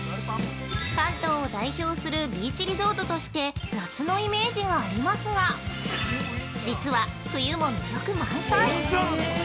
関東を代表するビーチリゾートとして夏のイメージがありますが実は、冬も魅力満載！